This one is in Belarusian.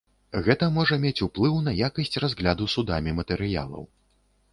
Гэта можа мець уплыў на якасць разгляду судамі матэрыялаў.